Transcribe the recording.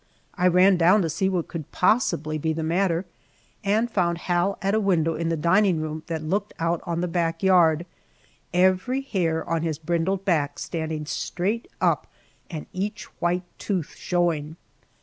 I ran down to see what could possibly be the matter, and found Hal at a window in the dining room that looked out on the back yard, every hair on his brindled back standing straight up and each white tooth showing.